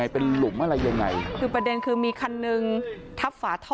เป็นหลุมอะไรยังไงคือประเด็นคือมีคันหนึ่งทับฝาท่อ